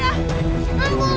aduh manusia harimau